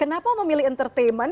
kenapa memilih entertainment